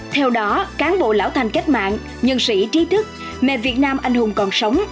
theo đó cán bộ lão thành cách mạng nhân sĩ trí thức mẹ việt nam anh hùng còn sống